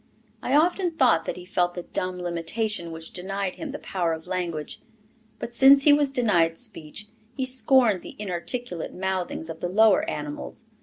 I often thought that he felt the dumb limitation which denied him the power of language. But since he was denied speech, he scorned the inarticulate mouthings of the lower animals.